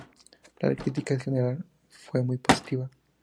La crítica en general fue muy positiva.